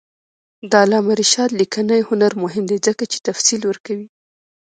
د علامه رشاد لیکنی هنر مهم دی ځکه چې تفصیل ورکوي.